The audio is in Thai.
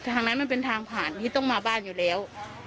ทางนั้นมันเป็นทางผ่านที่ต้องมาบ้านอยู่แล้ว